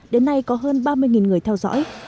đến nay có hơn ba mươi người theo dõi